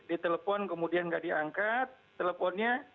di telepon kemudian tidak diangkat teleponnya